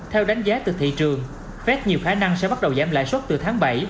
theo đánh giá từ thị trường fed nhiều khả năng sẽ bắt đầu giảm lãi suất từ tháng bảy